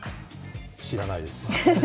知らないです。